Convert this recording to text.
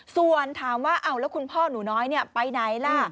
ส่วนถามว่าแล้วคุณพ่อหนูน้อยไปไหนล่ะ